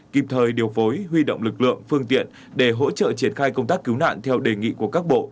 kịp thời điều phối huy động lực lượng phương tiện để hỗ trợ triển khai công tác cứu nạn theo đề nghị của các bộ